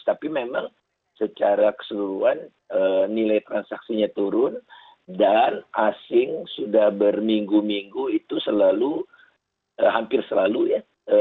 tapi memang secara keseluruhan nilai transaksinya turun dan asing sudah berminggu minggu itu selalu hampir selalu ya